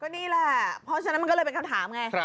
นี่แหละเพราะฉะนั้นมันก็เลยเป็นคำถามไง